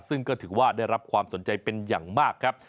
ซึ่งก็ถือว่าได้รับความสนใจเป็นอย่างมากครับ